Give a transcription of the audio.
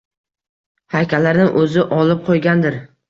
Haykallarni o’zi olib qo’ygandir.